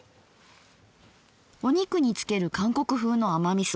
お肉に付ける韓国風の甘みそ。